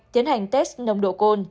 tiến hành test nồng độ côn